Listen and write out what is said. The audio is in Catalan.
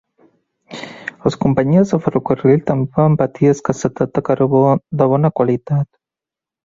Les companyies de ferrocarril també van patir escassetat de carbó de bona qualitat.